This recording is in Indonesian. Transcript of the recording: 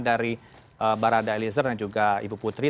dari barada eliezer dan juga ibu putri